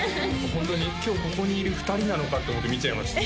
ホントに今日ここにいる２人なのか？と思って見ちゃいました